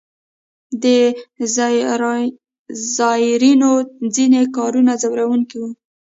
د زایرینو ځینې کارونه ځوروونکي وو.